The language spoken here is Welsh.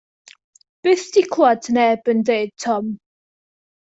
Byth 'di clywed neb yn dweud tom.